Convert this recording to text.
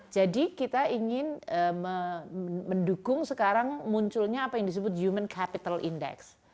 jadi kita ingin mendukung sekarang munculnya apa yang disebut human capital index